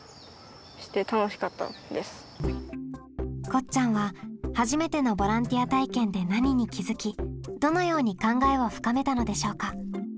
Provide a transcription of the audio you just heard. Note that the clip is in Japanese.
こっちゃんは初めてのボランティア体験で何に気づきどのように考えを深めたのでしょうか？